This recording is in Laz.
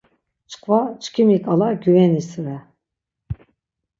Çkva çkimi ǩala gyuvenis ret.